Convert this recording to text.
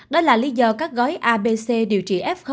đó là lý do các gói abc điều trị f